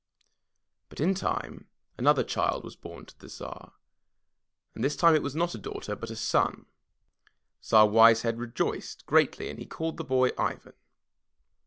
But in time another child was bom to the Tsar, and this time it was not a daughter, but a son. Tsar Wise Head rejoiced greatly and he called the boy Ivan.